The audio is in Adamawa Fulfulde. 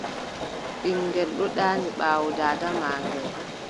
Ɓiŋngel ɗon ɗaani dow ɓaawo daada maagel.